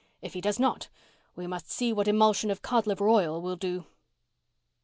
If he does not—we must see what emulsion of cod liver oil will do."